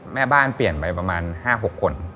แม่บ้านเปลี่ยนไปประมาณ๕๖คน